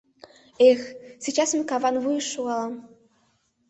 Эх, сейчас мый каван вуйыш шогалам!